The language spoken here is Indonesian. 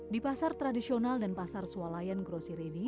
di pasar tradisional dan pasar swalayan grocery ini